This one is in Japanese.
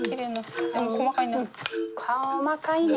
細かいね。